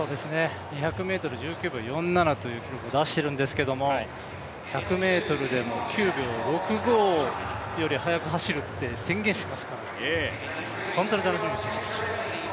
２００ｍ１９秒４７という記録を出しているんですけど１００ｍでも９秒６５より速く走ると宣言していますから、本当に楽しみにしています。